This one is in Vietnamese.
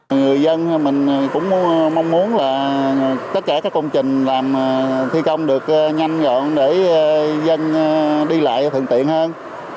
người dân mình cũng mong muốn là tất cả các công trình làm thi công được nhanh gọn để dân đi lại thuận tiện hơn